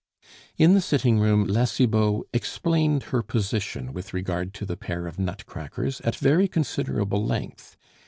In the sitting room La Cibot explained her position with regard to the pair of nutcrackers at very considerable length.